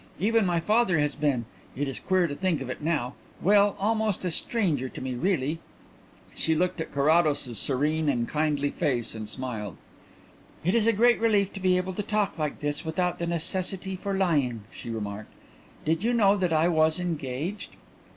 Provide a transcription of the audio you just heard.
Even my father has been it is queer to think of it now well, almost a stranger to me really." She looked at Carrados's serene and kindly face and smiled. "It is a great relief to be able to talk like this, without the necessity for lying," she remarked. "Did you know that I was engaged?"